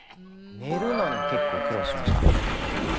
ねるのに結構苦労しました。